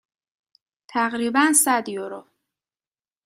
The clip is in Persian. تقریبا صد یورو.